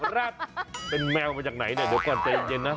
แร็ดเป็นแมวมาจากไหนเนี่ยเดี๋ยวก่อนใจเย็นนะ